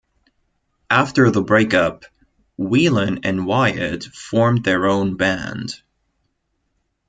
After the break-up, Whelan and Wyatt formed their own band.